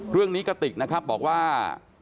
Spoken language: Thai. เรื่องนี้กะติกนะครับบอกว่า